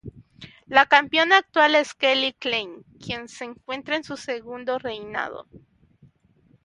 La campeona actual es Kelly Klein, quien se encuentra en su segundo reinado.